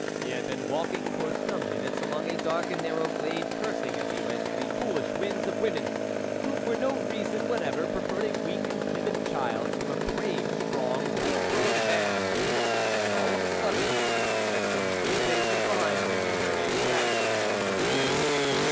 He had been walking for some minutes along a dark and narrow glade, cursing as he went the foolish whims of women, who, for no reason whatever, preferred a weak and timid child to a brave, strong, full grown man, when all of a sudden, at some few paces behind him, he heard a crackling among the leaves.